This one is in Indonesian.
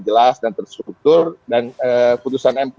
jelas dan terstruktur dan putusan mk